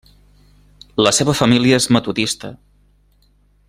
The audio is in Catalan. La seva família és metodista.